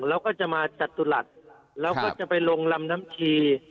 แล้วก็จะมาจตุรัสแล้วก็จะไปลงลำน้ำชี